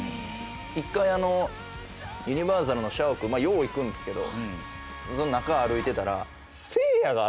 一回ユニバーサルの社屋よう行くんですけどその中歩いてたら。